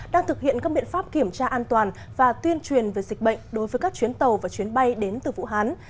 đang thực hiện các biện pháp kiểm tra an toàn và tuyên truyền về dịch bệnh đối với các chuyến tàu và chuyến bay đến từ vũ hán